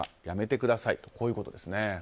辞めてくださいということですね。